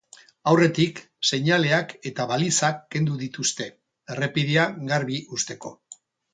Aurretik, seinaleak eta balizak kendu dituzte, errepidea garbi uzteko.